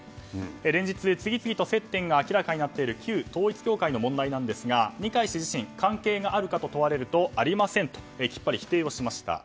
連日、次々と接点が明らかになっている旧統一教会の問題なんですが二階氏自身関係があるかと問われるとありませんときっぱり否定をしました。